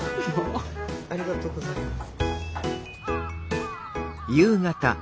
ありがとうございます。